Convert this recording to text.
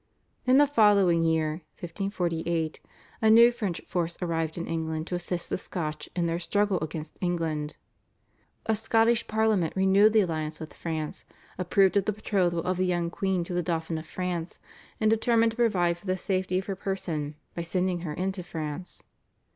In the following year (1548) a new French force arrived in England to assist the Scotch in their struggle against England. A Scottish Parliament renewed the alliance with France, approved of the betrothal of the young queen to the Dauphin of France, and determined to provide for the safety of her person by sending her into France.